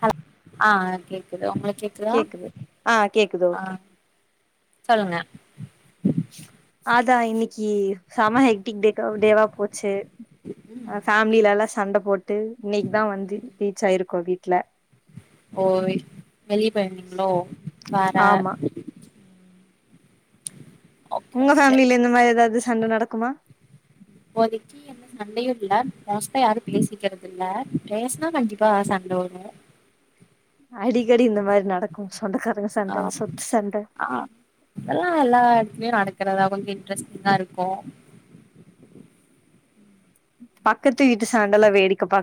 ஹ ஆஹ் கேக்குது உங்களுக்கு கேக்குதா கேக்குது ஆஹ் கேக்குது ஆ ஓகே சொல்லுங்க அதான் இன்னைக்கு சமக்ட தேவா போச்சு ஃபேமிலில எல்லாம் சண்டை ட்டு இன்னைக்கு தான் வந்து ரீச் ஆயிருக்கோம் வீட்டு ல ஓ வெளி பழணங்களோ வேற ஆமா உம் உங்க ஃபமில இந்த மாதிரிதாவது சண்டை நடக்குமா மச்தா யாரும் பேசிக்கிறது இல்ல பேசனா கண்டிப்பா சண்டை வரும் அடிக்கடி இந்த மாதிரி நடக்கும் ஆஹ் ஆஹ் அதெல்லாம் எல்லா இடத்துலயும் நடக்கறத அவங்க இன்ட்ரெஸிங் தான் இருக்கும் பக்கத்து வீட்டு சாண்டல்லாம் வேடிக்கைப்ப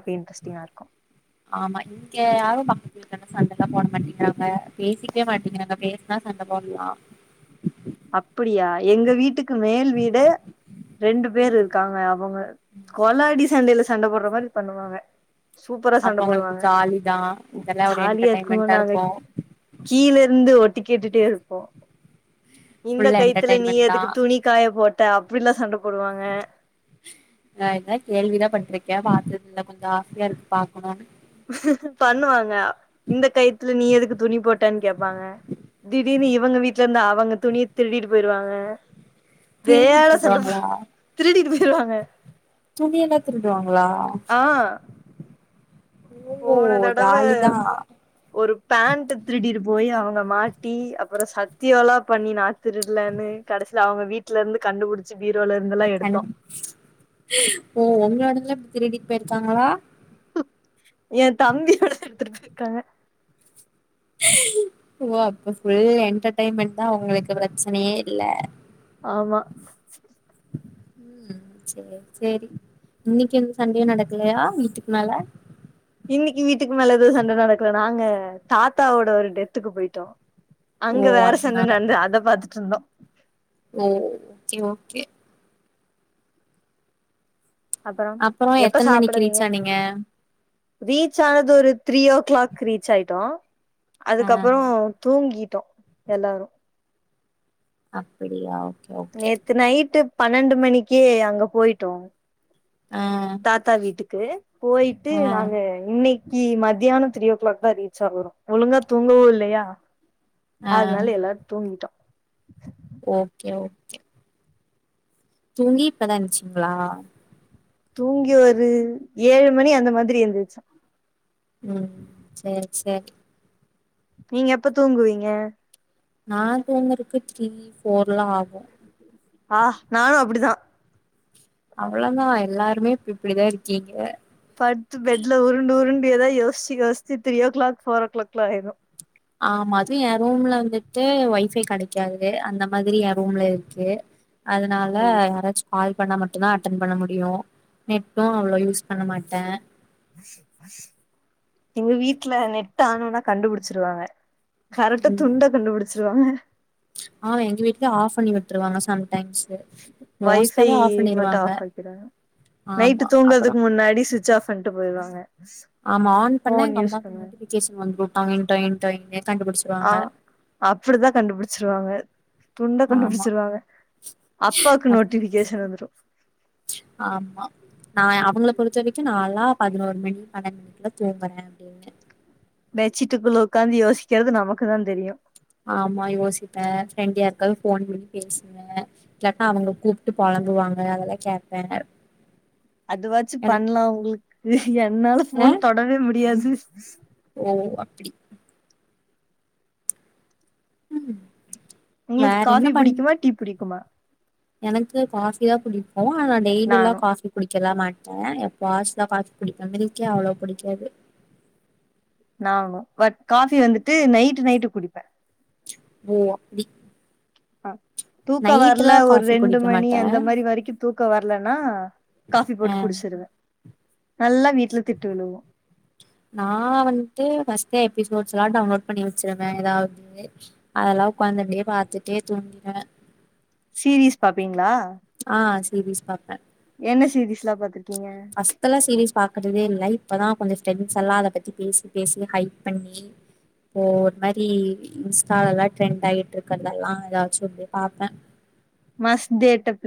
ஆமா இங்கங்க யாரும் மக்கமன சண்டை போட மாட்டேங்காங்க பேசிக்கவே மாட்டீங்கங்க பே ன்னா சண்ட போன்னு அப்படியா எங்க வீட்டுக்கு மேல் வீடு ரெண்டு பேர் இருக்காங்க அவங்க கொலாடி சண்டையில சண்டை போடுற மாரி பண்ணுவாங்க சூப்பரா சண்ட அப்ப உங்களுக்கு போடுவாங்க ஜாலி தா இதெல்லா ஒரு ஜாலியா இருக்குணு என்டர்டெயின்மெண்டா நாங்க இருக்கு கீழ இருந்து ஒ ட்டு கேட்டுட்டே இருப்போம் இந்த ஃபுல் கைத்துல நீ என்டர்டெயின்மெண்ட் எதுக்கு துணி காய போட் அப்பில்ல சண்ட போட்டா நான் என்ன கேள்விதான் பட்ருக்கேன் பாத்தது இல்ல கொஞ்சம் ஆசையா இருக்கு பாக்கணும்னு பண்ணுவாங்க இந்த கயத்துல நீ எதுக்கு துணி போட்டான்னு கேப்பாங்க திடீர்னு இவங்க வீட்டுல இருந்து அவங்க துணிய திருடிட்டு போயிருவாங்க திருடி வேட சண்டப்ப திருடுவாங்களா திருடி இரு திருடுவாங்க துணிய எல்லாம் திருடுவாங்களா ஓ போன தடவ ஜாலிதா ஒரு பேண்ட் திருடி இரு போய் அவங்க மாட்டி அப்புறம் சத்திய எலாம் பண்ணி நா திருரடலன்னு கடைசிய அவங்க வீட்ல இருந்து கண்டுபிடிச்சி கண்டுபிடிச்சு உண்மையாலுமே திருடி ட் போயிருக்காங்களா என் தம்பியோட எடுத்துட்டு இருக்காங்க ஓ அப்ப புல் என்டர்டெயன்மெண்ட் தான் ஒங்களுக்கு பிரச்சனையே இல்ல ஆமா உம் சரி சரி இன்னைக்கு எந்த சண்டையோ நடக்கலையா வீட்டுக்கு மேல இன்னைக்கு வீட்டுக்கு மேல எதுவும் சண்ட நடக்கல நாங்க தாத்தாவோட ஒரு டெத்துக்கு போயிட்டோம் ஓ அங்க வேற சண்ட அதனால நடந்த அத பாத்துட்டு இருந்தோம் ஓ ஓகே ஓகே அப்பறோ அப்புறம் எப்ப எத்தன மணிக்கு ரீச் சாப்புடுவீங்க ஆனிங்க ரீச் ஆனது ஒரு த்ரீ ஓ கிளாக் ரீச் ஆயிட்டோம் ஆ அதுக்கப்புறம் தூங்கி ட்டோம் எல்லாரும் அப்படியா ஓகே ஓகே நேத்து நைட்டு பன்னெண்டு மணிக்கே அங்க போயிட்டோம் ஆ தாத்தா வீட்டு ஓகே போயிட்டு ஆ நாங்க இன்னைக் கி மத்தியானம் த்ரீ ஓ கிளாக் தான் ரீச் ஆகுறோம் ஒழுங்கா தூங்கவும் இல்லையா ஆ அதனால எல்லாரும் தூங்கிட்டோம் ஓகே ஓகே தூங்கி இப்பதான் எந்திரிச்சீங்களா தூங்கி ஒரு ஏழு மணி அந்த மாதிரி எந்திரிச்சேன் உம் சேரி சேரி நீங்க எப்ப தூங்குவீங்க நான் தூங்குறக்கு த்ரீ போர்லாம் ஆகம் ஆஹ் நானும் அப்படிதான் அவ்வளோ தான் எல்லாருமே இப்ப இப்படிதான் இருக்கீங்க படுத்து பெட்ல உருண்டு உருண்டு எதோ யோசிச்சு யோசிச்சு தரீ ஓ க்ளாக் போர் ஓ க்ளாக்லாம் ஆயிடும் ஆமா அதும் என் ரூம்ல வந்துட்டு வை ஃபை கிடைக்காது அந்த மாதிரி என் ரூம்ல இருக்கு அதனால ஐயோ யாராச்சும் பால் பண்ணா மட்டும் தான் அட்டன் பண்ண முடியும் நெட்டும் அவ்ளோ யூஸ் பண்ண மாட்டேன் எங்க வீட்டு்ல நெட்டு ஆனும்னா கண்டுபுடிச்சிருவாங்க கரெக்டா ம் துண்டா கண்டுபுடிச்சிருவாங்க ஆமா எங்க வீட்ல ஆஃப் பண்ணி விட்ருவாங்க சம்டைம்ஸு வைஃபை மோஸ்ட்டாவே ஆஃப் மட்டும் பண்ணிருவாங்க ஆஃப் பண்ணிருவாங்க நைட் ஆமா அப்பறோ தூங்குறதுக்கு முன்னாடி சுவிச் ஆஃப் பண்ணிட்டு போய்டுவாங்க ஆமா ஆன் பண்ண எங்க அம்மாக்கு நோட்டிபிக்கேஷன் வந்துடும் டொயின்டொயின் டொயிங் ஆஹ் அப்படிதான் கண்டுபிடிச்சிருவாங்க துண்ட ஆமா கண்டுபிடிச்சிருவாங்க அப்பாக்கு அப் நோட்டிபிக்கேஷன் வந்துடும் ஆமா நான் அவுங்கள பொறுத்த வரைக்கும் நான்ல்லா பதினோரு மணி பன்னெண்டு மணிக்குலா துங்கறேன் அப்டினு பெச்சிட்டுக்குள்ள உட்காந்து யோசிக்கிறது நமக்கு தான் தெரியும் ஆமா யோசிப்பேன் ஃப்ரெண்டு யாருக்கது போன் பண்ணி பேசுவேன் இல்லான அவுங்க கூப்பிட்டு பொழம்புவாங்க அதெல்லாம் கேப்பேன் அதுவாச்சு பண்ணலாம் உங்களுக்கு என்னால ஆ போன் தொடவே முடியாது [inaudible] ஓ அப்படி உம் உங்களுக்கு காபி புடிக்குமா டீ புடிக்குமா எனக்கு காபி தான் பிடிக்கும் ஆனா டெய்லி எல்லா நானு காபி குடிக் கல்லாம் மாட்டேன் எப்போ வாச்சு தான் காபி குடிப்பேன் மில்கே அவ்ளோ புடிக்காது ஆம் பட் காபி வந்துட்டு நைட் நைட்டு குடிப்பேன் ஓ அப்படி ஆஹ் தூக்கம் வரல ஒரு ரெண்டு குடிக்க மணி மாட்டே அந்த மாதிரி வரைக்கும் தூக் தூக்கம் வரலனா காபி அ போட்டு குடிச்சிருவேன் நல்லா வீட்டுல திட்டு விழுவோம் நான் வந்துட்டு பஸ்ட் எபிசோட்ஸ் எல்லாம் டவுன்லோட் பண்ணி வச்சிருவேன் அதாவது அதெல்லாம் உட்காந்தண்டே பாரத்துட்டே தூங்கிறேன் சீரீஸ் பாப்பீங்களா ஆஹ் சாப்டேன் என்ன சீரீஸ்லாம் பாத்திருக்கிங்க பஸ்ட்ல சீரீஸ் பாக்கறதே இல்ல இப்பதான் கொஞ்சம் ஃபிரண்ஸ் எல்லாம் அதை பற்றி பேசி பேசி ஹைக் பண்ணி இப்போ ஒரு மாதிரி இன்ஸ்டாலலாம் ட்ரெண்டு ஆகிட்டு இருக்கிறதெல்லாம் ஏதாச்சும் ஒன்னு பார்ப்பேன் மஸ்த டேட்டப்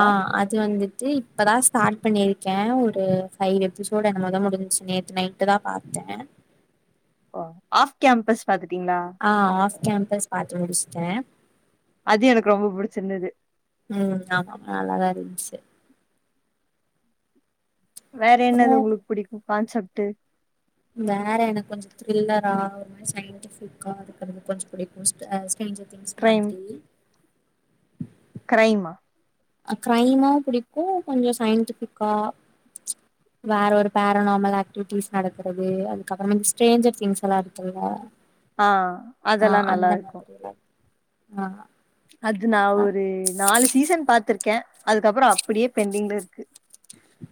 ஆஹ் அது வந்து இப்பதான் ஸ்டார்ட் பண்ணிருக்கேன் ஒரு ஃயைவ் எபிசோடு என்னமோத முடிஞ்சச்சு நேத்து நைன்ட்டு தான் பார்த்தேன் ஓ ஆஃப் கேம்பஸ் பாத்துட்டீங்களா ஆஹ் ஆப் கம்பஸ் பா்த்த முடிச்சு ஏஹ அது எனக்கு ரொம்ப புடிச்சிருந்தது உம் ஆமாமா நல்லாதான் இருந்துச்சு வேற அப்றோ என்னது உங்களுக்கு புடிக்கும் கான்செப்ட் ட்டு வேற எனக்கு கொஞ்சம் த்ரில்லரா ஒரு மாதிரி சயின்டிபிக்கா இருக்கிறது கொஞ்சம் பிடிக்கும் டெஞ்சர் திங்ஸ் மாத்ிரி உ கிரரைமா கிரைம பிடிக்கும் கொஞ்சம் சயின்டிபிக்கா வேற ஒரு பேரனாமல் ஆக்டிவிட்டிஸ் நடக்கறிறது அதுக்கப்புறம் வந்து ஸ்ட்ரேஞ்சர் திங்ஸ் எல்லாம் இருக்கல ஆஹ் அதெல்லாம் நல்லா இருக்கும் ஆஹ் அது நான் ஒரு நாலு சீசன் பாத்துருக்கேன் இருக்கேன் அதுக்கப்புறம் அப்படியே பெண்டிங்ல இருக்கு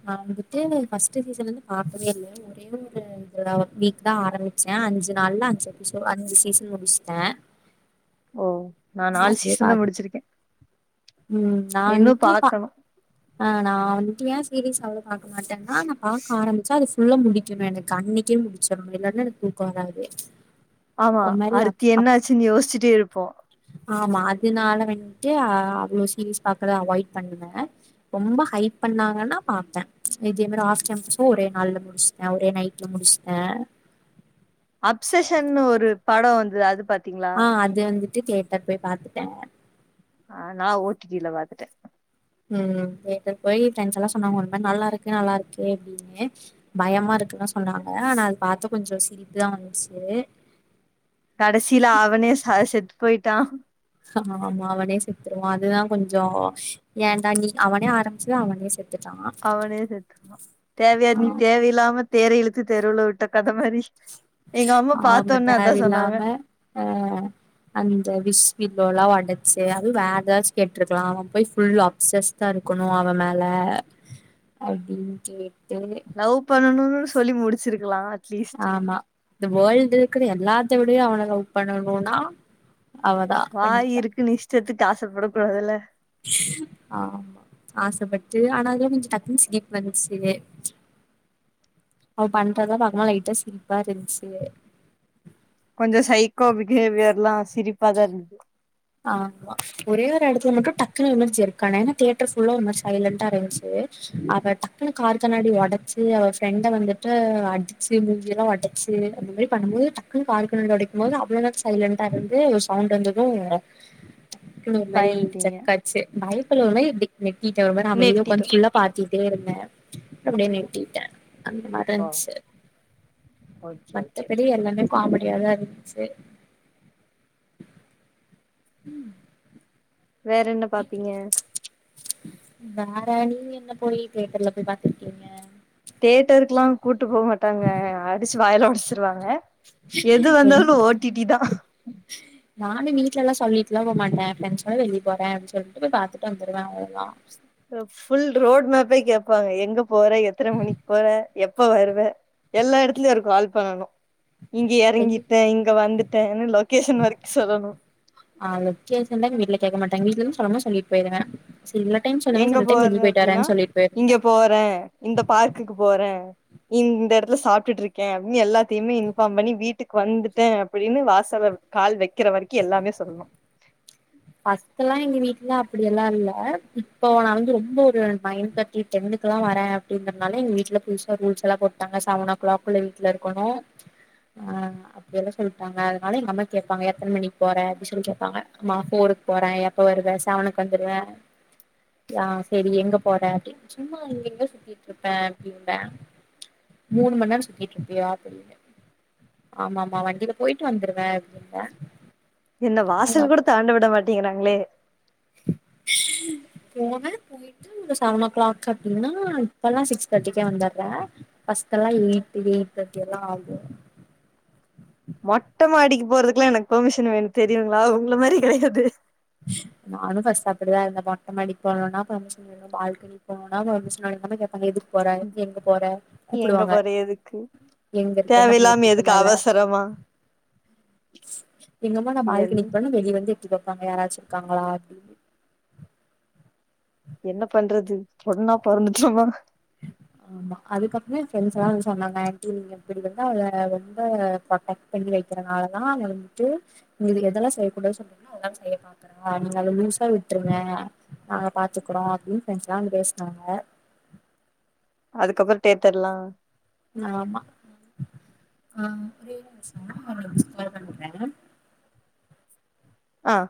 நான் வந்துட்டு பர்ஸ்ட் சீசன் இருந்து பாரக்கவே இல்லை ஒரே ஒருட வீக் தான் ஆரம்பிச்சேன் அஞ்சு நாள்ல அஞ்சு எசோ அஞ்சு சீசன் முடிச்சட்டேன் [inaudible] நான் நாலு சிஷ தான் முடிச்சிருக்கேன் உம் நான் இன்னும் வந்துட்டுப்ப பாக்கணும். ஆஹ் நான் வந்துட்டு ஏன் சீரிஸ் அவ்வளவு பார்க்க மாட்டேன்னா நான் ப பாக ஆரிச்ச அது ல்ல முடிக்கணும் எனக்கு அன்னைக்கே முடிச்சிடும் இல்லலைன்னா எனக்கு ஊக்கம் வராது ஆமா ஒரு மாரி அப் அறுத்தி என்ன அப் ஆச்சுன்னு யோசிச்சுட்டே இருப்போம் ஆமா அதனால வந்துட்டு அவ்வளோக்ஷ சீரியஸ் பாகறத அவாய்ட் பண்ணுவேன் ரொம்ப ஹைக் பண்ணாங்கன்னா பாார்ப்பேன் இதே மாதிரி ஆ ஒரே நாள்ல முடிச்சுட்டேன் ஒரே நைட்ல முடிச்சுட்டேன் அப்செஷன்னு ஒரு படம் வந்தது அது பத்தி ஆஹ் அது வந்து கேட்ட போய் பாத்துட்டேன் ஆஹ் நான் ஓடிடில பாத்துட்டேன் உம் வீட்டுக்கு போய் ஃப்ரெண்ட்ஸ் எல்லாம் சொன்னாங்க உண்மை நல்லா இருக்கு நல்லா இருக்கு அப்படின்னு பயமா இருக்குன்னு சொன்னாங்க ஆனா அதை பாத்து கொஞ்சம் சிரிப்புதான் வந்துச்சு கடைசில அவனே ச செத்து போய் டான் ஆமா அவனே செத்துருவான் அதுதான் கொஞ்சம் ஏன்டா நீ அவனே ஆரம்பிச்சது அவனே செத் அவனே செத்துடான் தேவையா நீ தேவயில்லாம தேரை இழுத்து தெருல விட்ட கதை மாரி எங்க அம்மா ஆமா பாத்தோனே அதான் சொன்னாங்க. தேவையில்லாம அஹ் அந்த விஷ்வில் டச்சு அதுவும் வேற ஏதாச்சும் கேட்டிருக்கலாம் அவன் போய் அப்சஸ் தான் இருக்கணும் அவன் மேல அப்படின்னு லவ் பண்ணணும் சொல்லி முடிச்சிருக்கலாம் து ஆமா இந்த வேல்டு இருகிற எல்லா விடிய அவன லவ் பண்ணணும்னா வாய் இருக்கு இஷ்டத்துக்கு ஆசைப்படக் கூடாதுல்ல ஆமா ஆசைப்பட்டு ஆனா அதல்லாம் கொஞ்சம் டக்குன்னு சிரிப்பு வந்துருச்சு அவன் பண்றதா பாக்கா லைட்டா சிரிப்பா இருன்ச்சு கொஞ்சம் சைகோ பிஹேவியர் எல்லாம் சிரி பதர்ஞ்சு ஆமா ஒரே ஒ இடத்துல மட்டும் டக்குனு ஒரு மாரி ஜர்க்கானே ஏன்னா தியேட்டர் புல்ல ஒரு மாரி சைலண்டடா இருந்துச்சு அவ டக்குனு கார் கண்ணாடி உடைச்சு அவர் ஃப்ரெண்டை வந்துட்டு அடிச்சு மூஞ்சிய எல்லாம் உடைச்சு அந்த மாரி பண்ணும் போது டக்குன்னு கார் கண்ணாடி உடைக்கும் போது அவ்வளவு சைலண்ட்டா இருந்து சவுண்ட் வந்ததும் ஒரு மாரி பயந்துட்டீங்க ஜர்க்காச்சு பயத்துல ஒரு மாரி இப்படி நெட்டிட்ட ஒரு மாரி அமைதியா நெட்டிட்டோ உக்காந்தி எல்லா பாத்தி இருந்தேன் அப்படியே நெட்டிட்டேன் அந்த மாரி ஓ இருன்ச்சு ஓகே ஓகே மத்தபடி எல்லாமே காமெடி இறா இருந்துச்சு உம் வேற என்ன பாப்பீங்க வேற நீங்க என்ன போயி தேட்டர்ல போய் பாத்துருக்கீங்க தேட்டருக்கு எல்லாம் கூட்டு போ மாட்டாங்க அடிச்சு வாயலாம் ஓடச்சு ச்சிருவாங்க எது என் வந்தாலும் ஓடிடி‌ தான் வீட்லல்லாம் சொல்லிட்டுலாம் போ மாட்டேன் ப்ரண்ட்ஸோட வெளி போறேன் அப்‌பின்னு சொல்டு போய் பாத்துட்டு வந்துடுவேன் ஃபுல் ரோடு மேப் அப்ப கேட்பாங்க எங்க போற எத்தனை மணிக்கு போற எப்ப வருவ எல்லா இடத்துலயும் ஒரு கால் பண்ணணும் இங்க இறங்கிட்டேன் இங்க வந்துட்டேன்னு லொகேஷன் வரைக்கும் சொல்லணும் ஆ லொக்கேஷன்லா எங்க வீட்ல என்ன சொல்லணுமோ சொல்டு போய்ருவன் எங்க போற அப்படின்னா சொல்லிட்டு போயிருவே இங்க போறேன் இந்த பார்க்குக்கு போறேன் இந்த இடத்துல சாப்பிட்டுட்டு இருக்கேன் அப்படின்னு எல்லாத்தையுமே இன்ஃபார்ம் பண்ணி வீட்டுக்கு வந்துட்டேன் அப்படின்னு வாசலை கால் வைக்கிற வரைக்கும் எல்லாமே சொல்ணும் ஃபஸ்ட்லாம் எங்க வீட்டல அப்டியல்லாம் இல்லை இப்ப நடந்து ரொம்ப ரொம்ப ஒரு நைன் தேர்டி டென்க்குல்லாம் வரேன் அப்படின்றதுனாலங்க வீட்ல புதுசா ரூல்ஸ் எல்லாம் போடாங்க செவன் ஓ கிளாக் உள்ள வீட்ல இருக்கணும் அப்டியல்லாம் சொல்டாங்க அதனால எங்க அம்மா கேப்பாங்க எத்தனை மணி போற அப்பின்னு சொல்லி கேப்பாங்க அம்மா ஃபோர் போறேன் எப்ப வருவ செவனுக்கு வந்துடுவேன் யா சரி எங்க போற அப்டின்னு சும்மா இங்க எங்க சுத்திட்டு இருப்பேன் அப்படி இல்லை மூணு மணி நேரம் சுத்திட்டு இருப்பியா அப்புடின்னு ஆமா ஆமாம்மா வண்டியில போயிட்டு வந்துருவேன் அப்படி இல்ல என்ன வாசல் கூட தாண்ட விட மாட்டீங்கறா மே போமா போ செவன் ஓ கிளாக் அப்டின்னா இப்பல்லாம் சிக்ஸ் தேட்டிக்கே வந்துடுற ஃபஸ்ட் எல்லாம் எயிட் எயிட் தேர்ட்டி எல்லாம் ஆகும் மொட்டை மாடிக்கு போறதுக்குல்லாம் எனக்கு பெர்மிஷன் வேணும் தெரியுங்களா உங்கள மாரி கெடையாது நானும் பர்ஸ்ட் அப்புடிதான் இருந்தேன் மொட்ட மாடிக்கு போனும்னா பர்மிஷன் வேணும் பால்கனி போனும்னா பர்மிஷன் வேணும் சில சமயம் கேப்பாங்க போற எங்க போற எங்க கூப்புடுவாங்க போற எதுக்கு எங்க இருக்க என்ன தேவையில்லாம பண்ணிட்டிருக்க எதுக்கு மேல அப்டினு அவசரமா எங்கம்மா நான் எல் பால்கனிக்கு போனா வெளிய வந்து [unintelligible] யாராச்சு இருக்காங்களா அப்படினு என்ன பண்றது பொண்ணா பொறந்துட்டோமா ஆமா அதுக்கப்புறம் என் ஃப்ரெண்ட்ஸ்லாம் வந்து சொன்னாங்க ஆன்டி நீங்க இப்டி வந்து அவள ரொம்ப ப்ரொடெக்ட் பண்ணி வைக்கறனாலதான் வந்துட்டு நீங்கயதெல்லாம் செய்யக்கூடாது சொன்னீங்கன்னா அதெல்லாம் செய்ய பாக்குறா நீங்க அத லூஸா விட்டுருங்க நாங்க பாத்துக்குறோம் அப்டின்னுஃபிரெண்ட்ஸ்லாம் வந்து பேசினாங்க அதுக்கப்புறம் டேத்தர்லாம் ஆமா ஆஹ் ஒரே ஒரு நிமிஷம் நெக்ஸ்ட் கால் பண்றேன் ஆஹ்